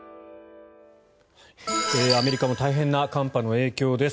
アメリカも大変な寒波の影響です。